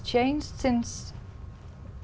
chúng tôi có